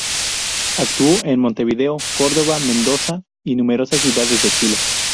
Actuó en Montevideo, Córdoba, Mendoza y numerosas ciudades de Chile.